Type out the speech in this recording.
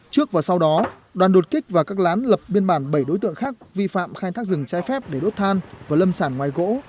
trước và sau đó đoàn đột kích và các lán lập biên bản bảy đối tượng khác vi phạm khai thác rừng trái phép để đốt than và lâm sản ngoài gỗ